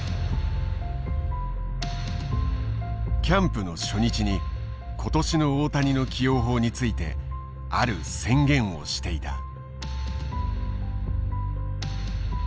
キャンプの初日に今年の大谷の起用法についてある宣言をしていた。